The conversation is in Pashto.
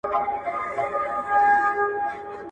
بیا ماشومانو ته بربنډي حوري ,